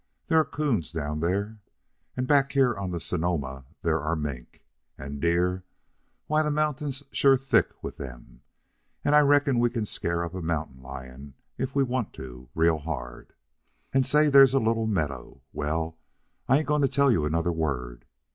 There are 'coons down there, and back here on the Sonoma there are mink. And deer! why, that mountain's sure thick with them, and I reckon we can scare up a mountain lion if we want to real hard. And, say, there's a little meadow well, I ain't going to tell you another word.